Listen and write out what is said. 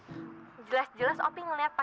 jelas jelas opi ngelihat pakai mata kepala opi sendiri